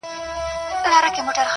علم د انسان وړتیا زیاتوي؛